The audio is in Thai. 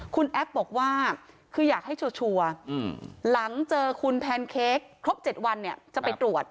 คุณแอฟบอกว่าคืออยากให้ชัวร์หลังเจอคุณแพนเค้กครบ๗วันเนี่ยจะไปตรวจ